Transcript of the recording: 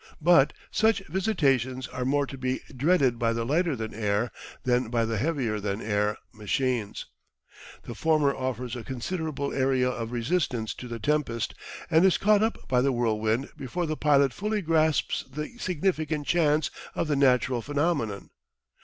But such visitations are more to be dreaded by the lighter than air than by the heavier than air machines. The former offers a considerable area of resistance to the tempest and is caught up by the whirlwind before the pilot fully grasps the significant chance of the natural phenomenon.